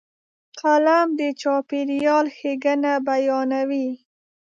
قلم د چاپېریال ښېګڼه بیانوي